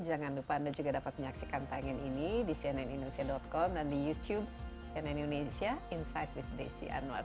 jangan lupa anda juga dapat menyaksikan tangan ini di cnnindonesia com dan di youtube cnn indonesia insight with desi anwar